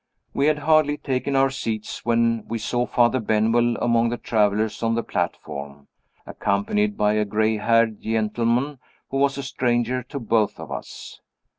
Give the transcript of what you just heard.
We had hardly taken our seats when we saw Father Benwell among the travelers on the platform, accompanied by a gray haired gentleman who was a stranger to both of us.